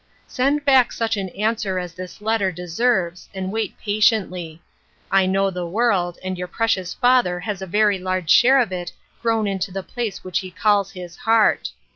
"Send back such an answer as this letter de serves, and wait patiently ; I know the world, and your precious father has a very large share of it grown into the place which he calls his heart.